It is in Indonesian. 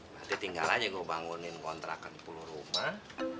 berarti tinggal aja gue bangunin kontrakan sepuluh rumah